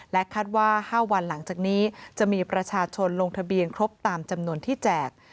คาดว่า๕วันหลังจากนี้จะมีประชาชนลงทะเบียนครบตามจำนวนที่แจก